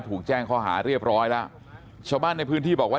ถูกแจ้งข้อหาเรียบร้อยแล้วชาวบ้านในพื้นที่บอกว่า